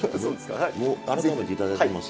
改めていただきます。